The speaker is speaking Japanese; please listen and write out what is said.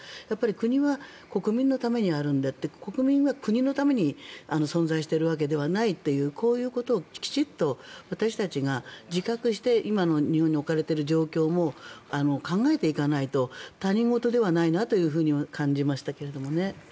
国は国民のためにあるんだ国民は国のために存在しているわけではないというこういうことをきちんと私たちが自覚して今の日本の置かれている状況も考えていかないと他人事ではないなと感じましたけれどもね。